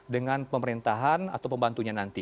dengan pemerintahan atau pembantunya nanti